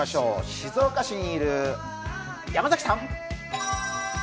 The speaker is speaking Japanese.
静岡市にいる山崎さん！